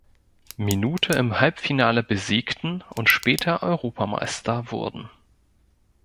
Minute im Halbfinale besiegten und später Europameister wurden.